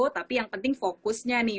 tapi yang penting fokusnya nih